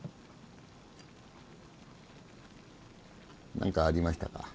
何かありましたか？